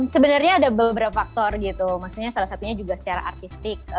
sebenarnya ada beberapa faktor gitu maksudnya salah satunya juga secara artistik